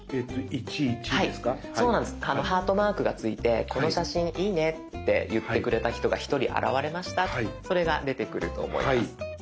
ハートマークがついてこの写真いいねって言ってくれた人が１人現れましたってそれが出てくると思います。